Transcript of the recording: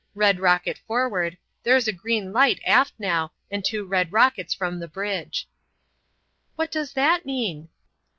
Red rocket forward—there's a green light aft now, and two red rockets from the bridge." "What does that mean?"